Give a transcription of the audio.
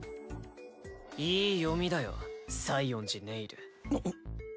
いい読みだよ西園寺ネイル。